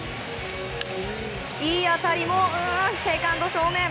いい当たりもセカンド正面。